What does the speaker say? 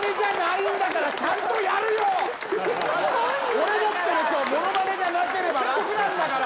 俺だってものまねじゃなければ楽なんだから。